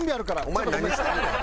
お前何してんねん？